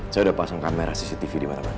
saya udah pasang kamera cctv dimana mana